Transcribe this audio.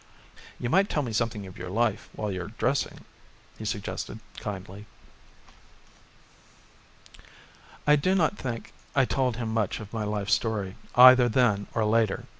"You might tell me something of your life while you are dressing," he suggested kindly. I do not think I told him much of my life story either then or later.